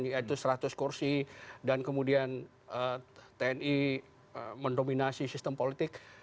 yaitu seratus kursi dan kemudian tni mendominasi sistem politik